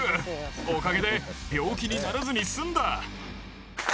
おかげで病気にならずに済んだ。